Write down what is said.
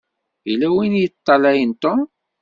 Yella win i yeṭṭalayen Tom.